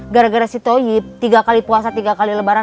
gara gara si toyib tiga kali puasa tiga kali lebaran